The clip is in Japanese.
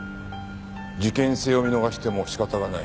事件性を見逃しても仕方がない。